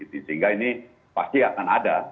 sehingga ini pasti akan ada